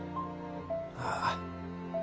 ああ。